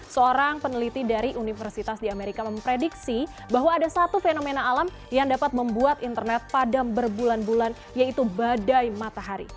seorang peneliti dari universitas di amerika memprediksi bahwa ada satu fenomena alam yang dapat membuat internet padam berbulan bulan yaitu badai matahari